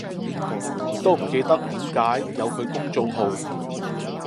都唔記得點解有佢公眾號